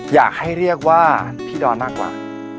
อยากให้เรียกว่าพี่ดอนมากกว่า